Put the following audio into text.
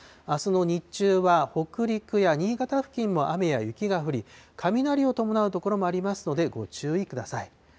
あすの日中は、北陸や新潟付近も雨や雪が降り、雷を伴う所もありますので、ご注意ください。